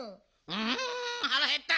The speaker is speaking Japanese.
うはらへった！